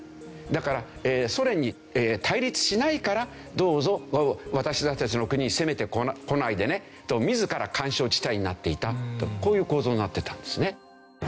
だからソ連に対立しないからどうぞ私たちの国攻めてこないでねと自ら緩衝地帯になっていたとこういう構造になってたんですね。